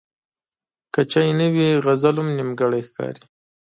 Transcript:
که چای نه وي، غزل هم نیمګړی ښکاري.